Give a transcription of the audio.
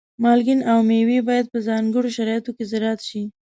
مالګین او مېوې باید په ځانګړو شرایطو کې زراعت شي.